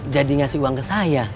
jadi ngasih uang ke saya